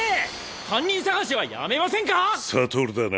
犯人捜しはやめませんか⁉悟だな。